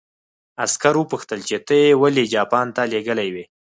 عسکر وپوښتل چې ته یې ولې جاپان ته لېږلی وې